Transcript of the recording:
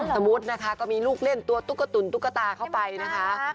สมมุตินะคะก็มีลูกเล่นตัวตุ๊กตุ๋นตุ๊กตาเข้าไปนะคะ